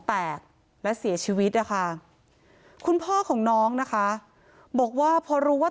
แตกและเสียชีวิตนะคะคุณพ่อของน้องนะคะบอกว่าพอรู้ว่า